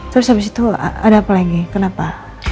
terus habis itu ada apa lagi kenapa